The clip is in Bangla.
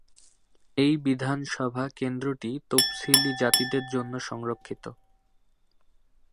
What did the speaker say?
এই বিধানসভা কেন্দ্রটি তফসিলি জাতিদের জন্য সংরক্ষিত।